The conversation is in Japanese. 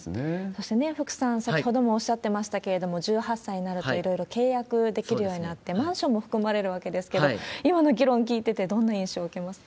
そして、福さん、先ほどもおっしゃってましたけれども、１８歳になると、いろいろ契約できるようになって、マンションも含まれるわけですけれども、今の議論聞いてて、どんな印象を受けまし